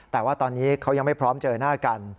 แต่ว่าตอนนี้เขายังไม่พร้อมเจอหน้ากัน